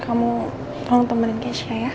kamu tolong temenin cash ya